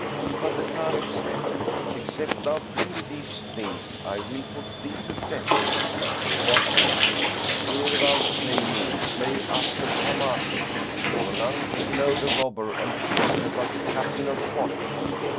"[FN#97] But the Caliph said, "Except thou bring me these things, I will put thee to death." Quoth he, "Ere thou slay me, slay Ahmad Kamakim, for none should know the robber and the traitor but the Captain of the Watch."